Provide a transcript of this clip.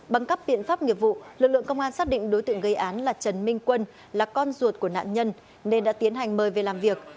bằng các biện pháp nghiệp vụ lực lượng công an xác định đối tượng gây án là trần minh quân là con ruột của nạn nhân nên đã tiến hành mời về làm việc